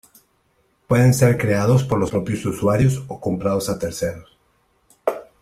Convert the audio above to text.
Pueden ser creados por los propios usuarios o comprados a terceros.